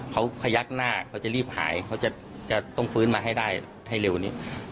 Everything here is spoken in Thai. เขาขยักหน้าเขาจะรีบหายเขาจะต้องฟื้นมาให้ได้ให้เร็วนี้